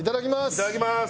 いただきます！